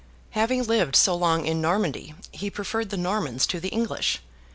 Having lived so long in Normandy, he preferred the Normans to the English.